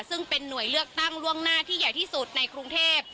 ซึ่งเป็นหน่วยเลือกตั้งล่วงหน้าที่ใหญ่ที่สุดในกรุงเทพ